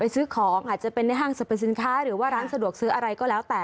ซื้อของอาจจะเป็นในห้างสรรพสินค้าหรือว่าร้านสะดวกซื้ออะไรก็แล้วแต่